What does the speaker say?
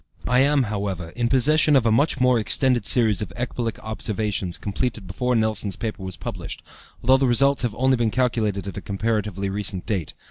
I am, however, in possession of a much more extended series of ecbolic observations completed before Nelson's paper was published, although the results have only been calculated at a comparatively recent date.